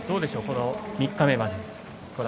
この三日目まで。